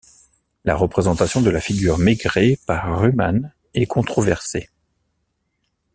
La représentation de la figure Maigret par Rühmann est controversée.